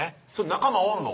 仲間おんの？